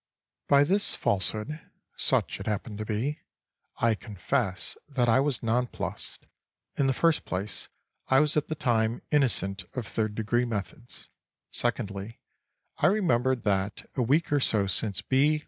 By this falsehood (such it happened to be) I confess that I was nonplussed. In the first place, I was at the time innocent of third degree methods. Secondly, I remembered that, a week or so since, B.